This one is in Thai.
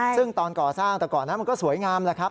ซึ่งตอนก่อสร้างแต่ก่อนนั้นมันก็สวยงามแหละครับ